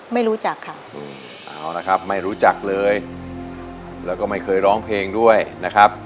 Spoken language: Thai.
ไม่รู้จักค่ะเอาละครับไม่รู้จักเลยแล้วก็ไม่เคยร้องเพลงด้วยนะครับ